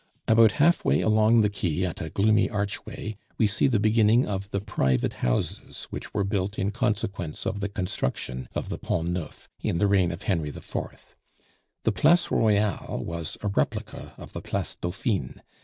About half way along the quay at a gloomy archway we see the beginning of the private houses which were built in consequence of the construction of the Pont Neuf in the reign of Henry IV. The Place Royale was a replica of the Place Dauphine.